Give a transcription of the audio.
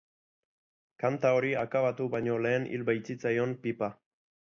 Kanta hori akabatu baino lehen hil baitzitzaion pipa.